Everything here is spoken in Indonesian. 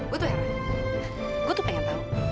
gue tuh pengen tau